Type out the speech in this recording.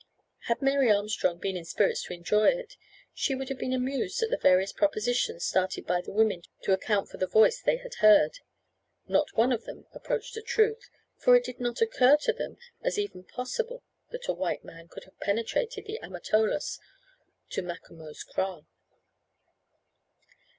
Had Mary Armstrong been in spirits to enjoy it, she would have been amused at the various propositions started by the women to account for the voice they had heard; not one of them approached the truth, for it did not occur to them as even possible that a white man should have penetrated the Amatolas to Macomo's kraal.